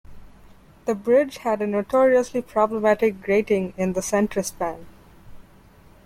The bridge had a notoriously problematic grating in the center span.